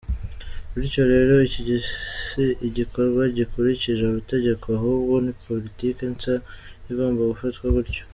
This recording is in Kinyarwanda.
Bityo rero iki si igikorwa gikurikije amategeko ahubwo ni politiki nsa igomba gufatwa gutyo.